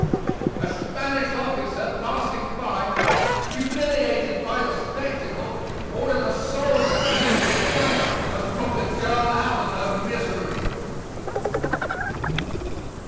A Spanish officer passing by, humiliated by the spectacle, ordered a soldier to use his dagger and put the girl out of her misery.